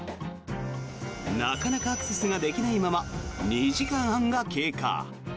なかなかアクセスができないまま２時間半が経過。